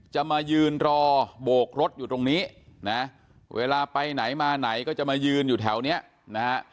มายืนรอโบกรถอยู่ตรงนี้นะเวลาไปไหนมาไหนก็จะมายืนอยู่แถวเนี้ยนะฮะ